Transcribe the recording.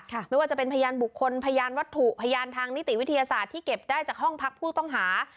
ไม่ว่าจะเป็นพยานบุคคลพยานวัตถุพยานทางนิติวิทยาศาสตร์ที่เก็บได้จากห้องพักผู้ต้องหา